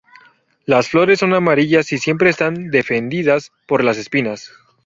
Las flores son amarillas y siempre están defendidas por las espinas.